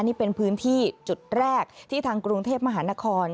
นี่เป็นพื้นที่จุดแรกที่ทางกรุงเทพมหานคร